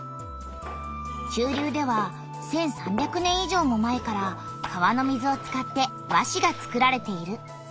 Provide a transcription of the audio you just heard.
中流では１，３００年いじょうも前から川の水を使って和紙が作られている。